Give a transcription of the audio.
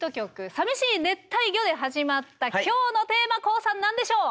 「淋しい熱帯魚」で始まった今日のテーマＫＯＯさん何でしょう？